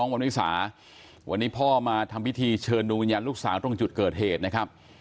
วันนี้พ่อมาทำพิธีเชิญดูยันลูกสาวตรงจุดเกิดเหตุนะครับ